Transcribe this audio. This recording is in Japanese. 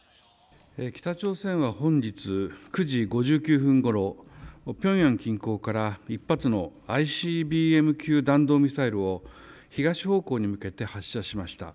北朝鮮は本日９時５９分ごろ、ピョンヤン近郊から１発のＩＣＢＭ級弾道ミサイルを東方向に向けて発射しました。